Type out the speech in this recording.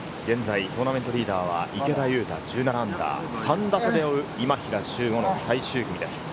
現在、トーナメントリーダーは池田勇太、１７アンダー、３打差で追う今平周吾、最終組です。